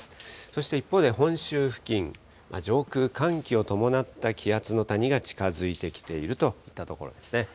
そして一方では本州付近、上空、寒気を伴った気圧の谷が近づいてきているといったところですね。